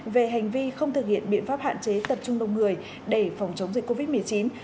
về hành vi không thực hiện biện pháp hạn chế tập trung đông người để phòng chống dịch covid một mươi chín